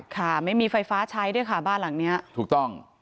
ค่ะไม่มีไฟฟ้าใช้ด้วยค่ะบ้านหลังเนี้ยถูกต้อง